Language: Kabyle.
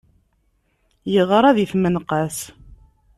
Yeɣra di tmenqas.